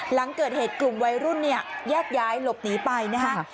หลังเกิดเหตุกลุ่มวัยรุ่นเนี่ยแยกย้ายหลบหนีไปนะฮะ